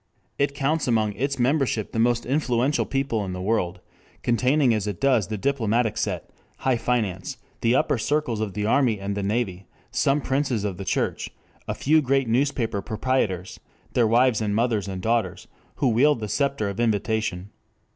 It counts among its membership the most influential people in the world, containing as it does the diplomatic set, high finance, the upper circles of the army and the navy, some princes of the church, a few great newspaper proprietors, their wives and mothers and daughters who wield the scepter of invitation.